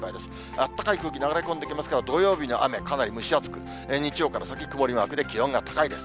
あったかい空気流れ込んできますから、土曜日の雨、かなり蒸し暑く、日曜から先、曇りマークで、気温が高いです。